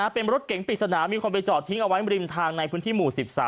เป็นรถเก๋งปริศนามีคนไปจอดทิ้งเอาไว้ริมทางในพื้นที่หมู่๑๓